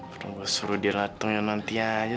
perlu gue suruh dia dateng ya nanti aja